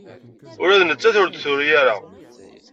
Ula d nettat ur d-turi ara.